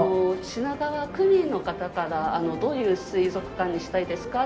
品川区民の方からどういう水族館にしたいですか？